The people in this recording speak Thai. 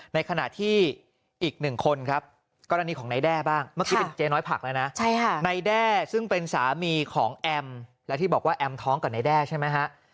ในขณะที่อีกหนึ่งคนครับกรณีของนายแด้บ้างเมื่อกี้เป็นเจ๊น้อยผักแล้วนะในแด้ซึ่งเป็นสามีของแอมและที่บอกว่าแอมท้องกับนายแด้ใช่ไหมฮะ